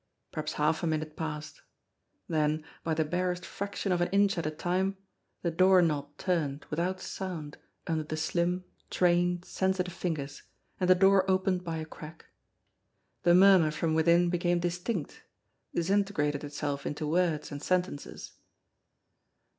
Perhaps half a minute passed. Then, by the barest fraction of an inch at a time, the doorknob turned without sound under the slim, trained, sensitive fingers, and the door opened by a crack. The murmur from within became distinct, dis integrated itself into words and sentences.